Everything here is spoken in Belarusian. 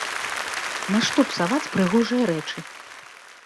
Нашто псаваць прыгожыя рэчы!